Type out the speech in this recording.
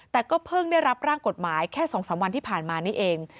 แต่ก็เพิ่งได้รับร่างกฎหมายแค่๒๓วันที่ผ่านมานี่เอง